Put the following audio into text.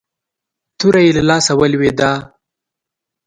توره يې له لاسه ولوېده.